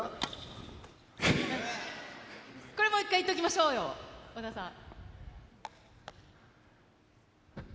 これ、もう１回いっときましょうよ、小田さん。